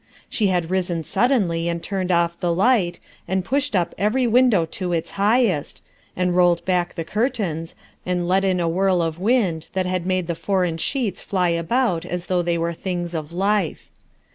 She had risen suddenly and turned off the light, and pushed up every window to its highest, and rolled back the curtains and let in a whirl of wind that had made the foreign sheets fly about as though they were things of life.